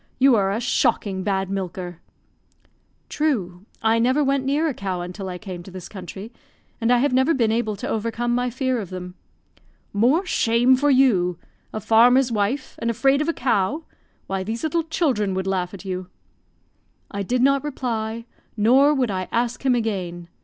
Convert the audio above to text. You are a shocking bad milker." "True; I never went near a cow until I came to this country; and I have never been able to overcome my fear of them." "More shame for you! A farmer's wife, and afraid of a cow! Why, these little children would laugh at you." I did not reply, nor would I ask him again.